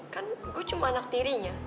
kan gue cuma anak tirinya